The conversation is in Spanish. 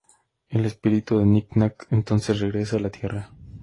El espíritu de Nic-Nac entonces regresa a la Tierra.